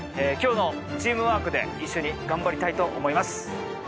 今日のチームワークで一緒に頑張りたいと思います。